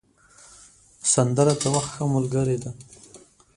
سندره د وخت ښه ملګرې ده